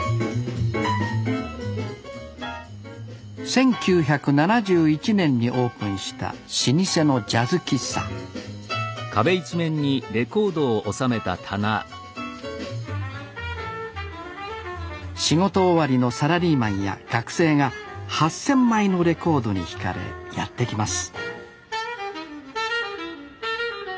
１９７１年にオープンした老舗のジャズ喫茶仕事終わりのサラリーマンや学生が８，０００枚のレコードにひかれやって来ます